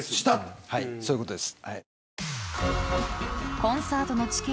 そういうことです。